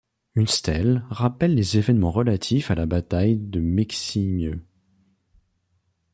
Une stèle rappelle les évènements relatifs à la bataille de Meximieux.